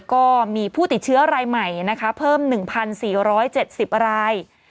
ก็มีผู้ติดเชื้อรายใหม่นะคะเพิ่ม๑๔๗๐ราย